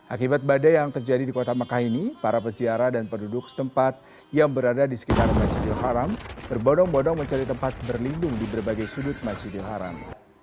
akibat badai yang terjadi di kota mekah ini para peziarah dan penduduk setempat yang berada di sekitar masjidil haram berbodong bodong mencari tempat berlindung di berbagai sudut masjidil haram